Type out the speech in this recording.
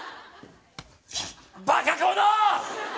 バカこの！